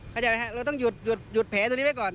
เข้าใจไหมครับเราต้องหยุดแผลตรงนี้ไว้ก่อน